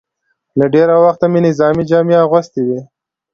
له ډېره وخته مې نظامي جامې اغوستې وې.